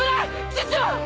父は。